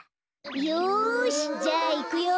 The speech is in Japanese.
よしじゃあいくよ！